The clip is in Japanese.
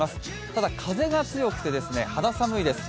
ただ、風が強くて肌寒いです。